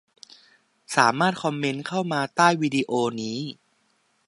สามารถคอมเมนต์เข้ามาใต้วิดีโอนี้